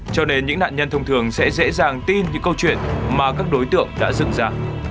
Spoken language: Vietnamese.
cho nên những nạn nhân thông thường sẽ dễ dàng tin những câu chuyện mà các đối tượng đã dựng ra